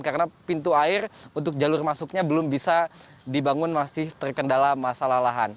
karena pintu air untuk jalur masuknya belum bisa dibangun masih terkendala masalah lahan